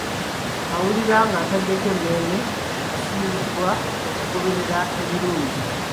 Awulira ng'ataddeko emmeeme asindikibwa okugoberera ebirungi.